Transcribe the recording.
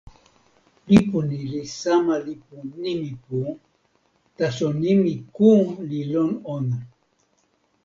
lipu ni li sama lipu "nimi pu", taso nimi ku li lon ona.